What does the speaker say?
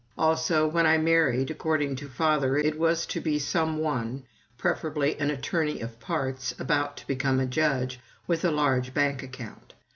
Also, when I married, according to father it was to be some one, preferably an attorney of parts, about to become a judge, with a large bank account.